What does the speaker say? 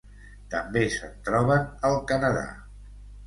També se'n troben al Canadà.